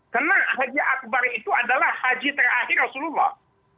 karena haji akbar itu adalah haji terakhir rasulullah